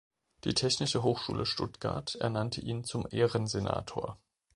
Die Technische Hochschule Stuttgart ernannte ihn zum Ehrensenator.